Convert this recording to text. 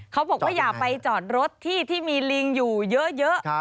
เขาบอกว่าอย่าไปจอดรถที่ที่มีลิงอยู่เยอะ